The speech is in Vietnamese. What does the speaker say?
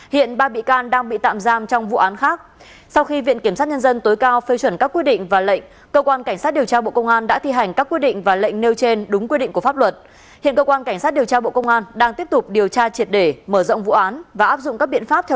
hãy đăng ký kênh để ủng hộ kênh của chúng mình nhé